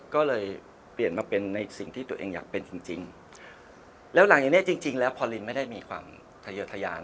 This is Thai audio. ก็เลยเปลี่ยนมาเป็นในสิ่งที่ตัวเองอยากเป็นจริงจริงแล้วหลังจากเนี้ยจริงจริงแล้วพอลินไม่ได้มีความทะเยอะทะยาน